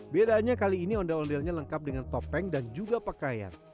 bedaannya kali ini ondel ondelnya lengkap dengan topeng dan juga pakaian